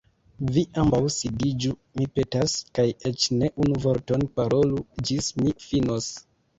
Vi ambaŭ sidiĝu, mi petas. Kaj eĉ ne unu vorton parolu, ĝis mi finos."